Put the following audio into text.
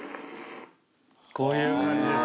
こういう感じです。